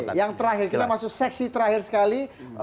yang terakhir kita masuk seksi terakhir sekali